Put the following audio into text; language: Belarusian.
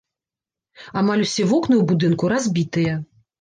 Амаль усе вокны ў будынку разбітыя.